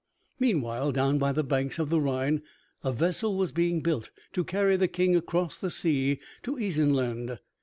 Meanwhile down by the banks of the Rhine a vessel was being built to carry the King across the sea to Isenland.